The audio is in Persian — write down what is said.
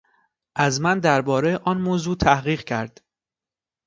از من دربارهٔ آن موضوع تحقیق کرد.